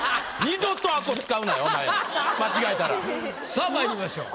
さあまいりましょう。